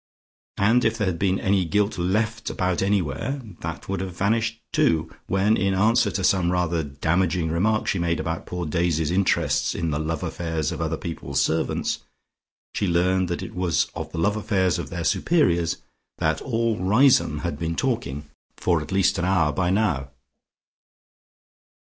And if there had been any gilt left about anywhere, that would have vanished, too, when in answer to some rather damaging remark she made about poor Daisy's interests in the love affairs of other people's servants, she learned that it was of the love affairs of their superiors that all Riseholme had been talking for at least an hour by now.